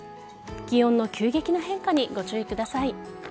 気温の急激な変化にご注意ください。